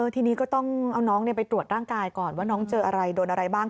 ทีนี้ก็ต้องเอาน้องไปตรวจร่างกายก่อนว่าน้องเจออะไรโดนอะไรบ้าง